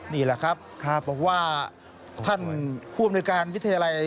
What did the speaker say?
นี่แหละครับบอกว่าท่านผู้อำนวยการวิทยาลัย